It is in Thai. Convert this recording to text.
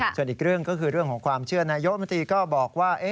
ส่วนอีกเรื่องก็คือเรื่องของความเชื่อนายกมนตรีก็บอกว่า